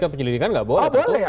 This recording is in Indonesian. penyelidikan nggak boleh